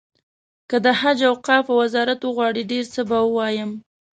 که د حج او اوقافو وزارت وغواړي ډېر څه به ووایم.